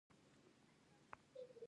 آیا ماشومان په خښتو بټیو کې کار کوي؟